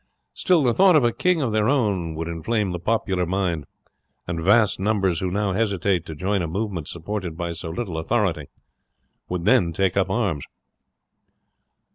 Still the thought of a king of their own would inflame the popular mind, and vast numbers who now hesitate to join a movement supported by so little authority, would then take up arms."